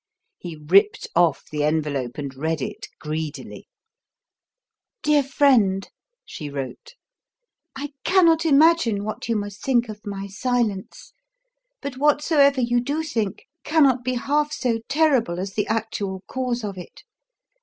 He ripped off the envelope and read it greedily. "Dear Friend," she wrote, "I cannot imagine what you must think of my silence; but whatsoever you do think cannot be half so terrible as the actual cause of it.